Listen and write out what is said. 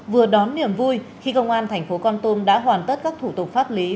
vừa đón niềm vui khi công an thành phố con tum đã hoàn tất các thủ tục pháp lý